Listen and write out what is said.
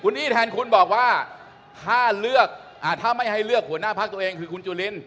คุณอี้แทนคุณบอกว่าถ้าไม่ให้เลือกหัวหน้าภาคตัวเองคือคุณจุลิน